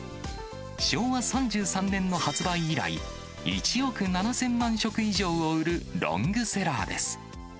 昭和３３年の発売以来、１億７０００万食以上を売るロングセラーです。